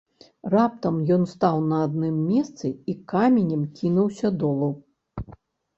Раптам ён стаў на адным месцы і каменем кінуўся долу.